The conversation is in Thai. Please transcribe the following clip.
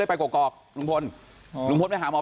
เพราะว่าลุงพลเนี้ยบอกว่าเดี๋ยวสองทุ่มเนี้ยจะต้องสวดมนต์วันเนี้ย